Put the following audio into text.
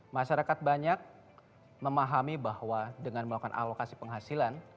masyarakat banyak memahami bahwa dengan melakukan alokasi penghasilan